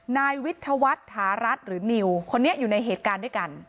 นายวิทยาวัฒน์ถารัฐหรือนิวคนนี้อยู่ในเหตุการณ์ด้วยกัน